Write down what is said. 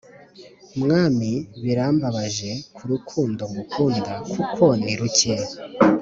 Mwami birambabaje kurukundo ngukunda kuko ni ruke